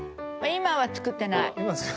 今は作ってない。